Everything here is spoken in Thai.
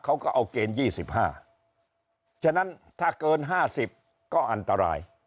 เขาก็เอาเกณฑ์ยี่สิบห้าฉะนั้นถ้าเกินห้าสิบก็อันตราย